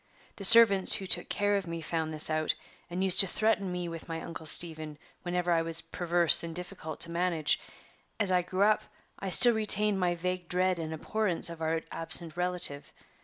The servants who took care of me found this out, and used to threaten me with my Uncle Stephen whenever I was perverse and difficult to manage. As I grew up, I still retained my vague dread and abhorrence of our absent relative.